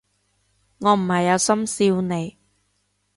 我唔係有心笑你